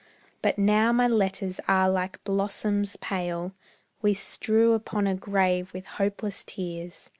But now my letters are like blossoms pale We strew upon a grave with hopeless tears.